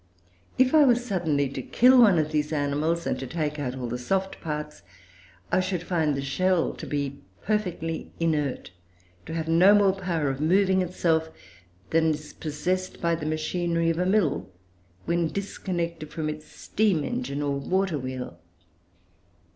If I were suddenly to kill one of these animals and to take out all the soft parts, I should find the shell to be perfectly inert, to have no more power of moving itself than is possessed by the machinery of a mill when disconnected from its steam engine or water wheel.